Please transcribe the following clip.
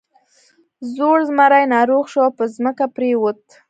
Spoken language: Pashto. زوړ زمری ناروغ شو او په ځمکه پریوت.